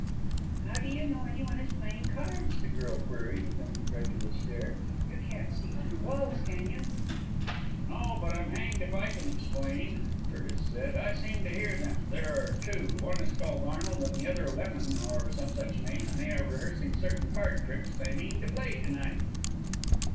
"How do you know any one is playing cards?" the girl queried with an incredulous stare. "You can't see through walls, can you?" "No! and I'm hanged if I can explain," Curtis said, "I seem to hear them. There are two one is called Arnold, and the other Lemon, or some such name, and they are rehearsing certain card tricks they mean to play to night."